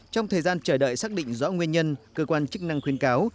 trong thời gian chờ đợi xác định rõ nguyên nhân cơ quan chức năng khuyến cáo